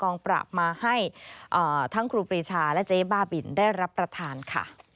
ปราบมาให้ทั้งครูปรีชาและเจ๊บ้าบินได้รับประทานค่ะ